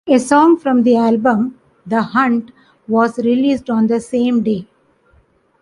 A song from the album, "The Hunt, "was released on the same day.